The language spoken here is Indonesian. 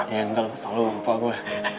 ya enggak usah lupa gue